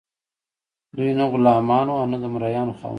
دوی نه غلامان وو او نه د مرئیانو خاوندان.